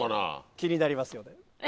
気になりますよね？